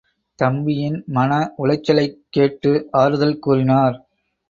தம்பியின் மன உளைச்சலைக் கேட்டு ஆறுதல் கூறினார்.